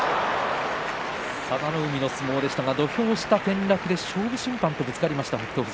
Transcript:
佐田の海の相撲でしたが土俵下転落で勝負審判とぶつかりました北勝富士。